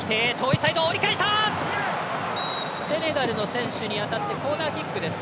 セネガルの選手に当たってコーナーキックです。